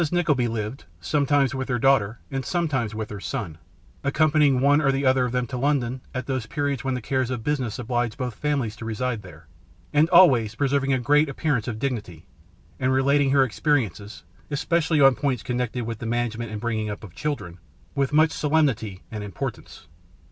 Nickleby lived, sometimes with her daughter, and sometimes with her son, accompanying one or other of them to London at those periods when the cares of business obliged both families to reside there, and always preserving a great appearance of dignity, and relating her experiences (especially on points connected with the management and bringing up of children) with much solemnity and importance.